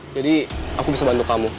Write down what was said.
jadi aku bisa bantu kamu